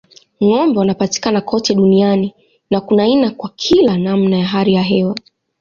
Ng'ombe wanapatikana kote duniani na kuna aina kwa kila namna ya hali ya hewa.